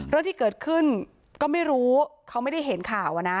เรื่องที่เกิดขึ้นก็ไม่รู้เขาไม่ได้เห็นข่าวอะนะ